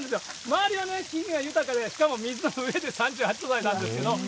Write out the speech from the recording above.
周りはね、木々が豊かで、しかも水の上で３８度台なんですけども。